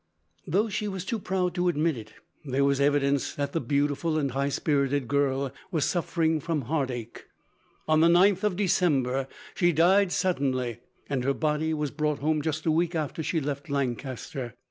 Though she was too proud to admit it, there was evidence that the beautiful and high spirited girl was suffering from heartache. On the ninth of December, she died suddenly, and her body was brought home just a week after she left Lancaster.